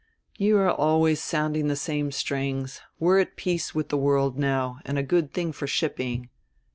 "You are always sounding the same strings; we're at peace with the world now, and a good thing for shipping."